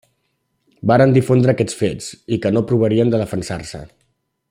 Varen difondre aquests fets i que no provarien de defensar-se.